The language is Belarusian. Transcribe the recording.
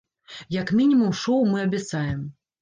Як мінімум шоў мы абяцаем!